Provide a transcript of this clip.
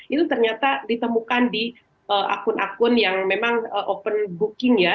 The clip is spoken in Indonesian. itu ternyata ditemukan di akun akun yang memang open booking ya